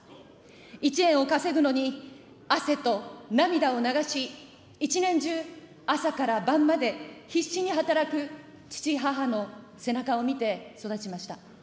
１円を稼ぐのに、汗と涙を流し、１年中、朝から晩まで必死に働く父、母の背中を見て育ちました。